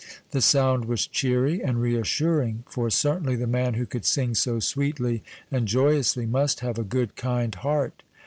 The sound was cheery and reassuring, for certainly the man who could sing so sweetly and joyously must have a good, kind heart.